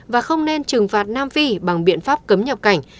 và không nên trừng phạt nam phi bằng biện pháp cấm nhập cảnh